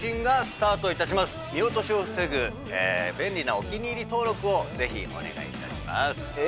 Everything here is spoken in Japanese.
見落としを防ぐ便利なお気に入り登録をぜひお願いいたします。